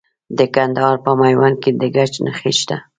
د کندهار په میوند کې د ګچ نښې شته.